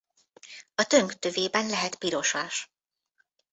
A tönk tövében lehet pirosas.